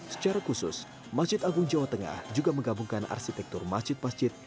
secara khusus masjid agung jawa tengah juga menggabungkan arsitektur masjid masjid